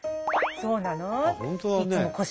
「そうなの？」